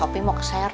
tidak ada teman report